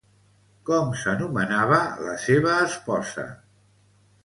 Com s'anomenava la seva esposa?